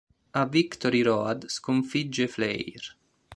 A Victory Road sconfigge Flair.